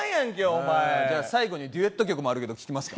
お前じゃあ最後にデュエット曲もあるけど聴きますか？